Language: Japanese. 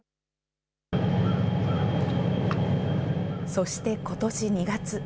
そしてことし２月。